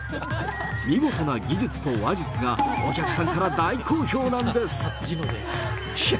見事な技術と話術がお客さんから大好評なんです。